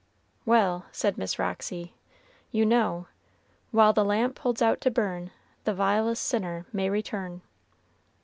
"Well," said Miss Roxy, "you know "'While the lamp holds out to burn, The vilest sinner may return.'"